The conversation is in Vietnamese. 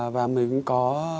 và mình cũng có